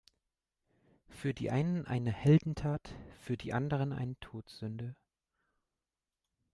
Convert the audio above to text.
Für die einen eine Heldentat, für die anderen ein Todsünde.